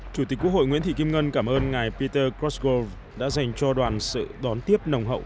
chủ tịch quốc hội nguyễn thị kim ngân cảm ơn ngài peter koskov đã dành cho đoàn sự đón tiếp nồng hậu